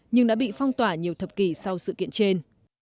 nhưng đã bị phong tỏa nhiều thập kỷ sau sự kiện trên